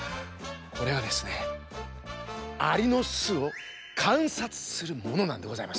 これはですねアリのすをかんさつするものなんでございます。